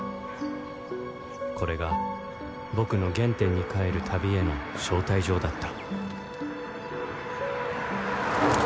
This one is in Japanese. これが僕の原点に返る旅への招待状だった